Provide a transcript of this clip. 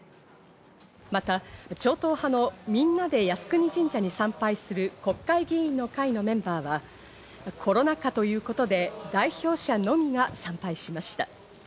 また超党派の「みんなで靖国神社に参拝する国会議員の会」のメンバーは、コロナ禍ということで代表者が参拝しました。